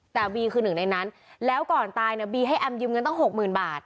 แต่บีคือหนึ่งในนั้นแล้วก่อนตายเนี่ยบีให้แอมยืมเงินตั้งหกหมื่นบาท